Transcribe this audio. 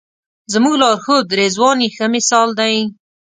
زموږ لارښود رضوان یې ښه مثال دی.